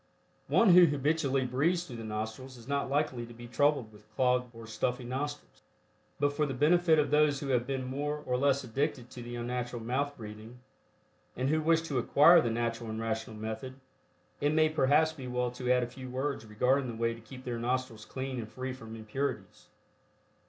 One who habitually breathes through the nostrils is not likely to be troubled with clogged or stuffy nostrils, but for the benefit of those who have been more or less addicted to the unnatural mouth breathing, and who wish to acquire the natural and rational method, it may perhaps be well to add a few words regarding the way to keep their nostrils clean and free from impurities.